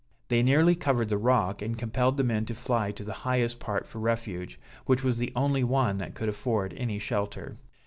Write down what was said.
They nearly covered the rock, and compelled the men to fly to the highest part for refuge, which was the only one that could afford any shelter.